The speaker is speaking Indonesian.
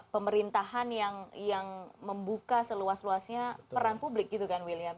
pemerintahan yang membuka seluas luasnya peran publik gitu kan william